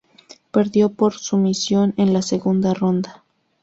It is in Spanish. Perdió por sumisión en la segunda ronda.